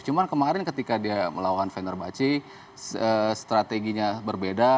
cuman kemarin ketika dia melawan vanor bacem strateginya berbeda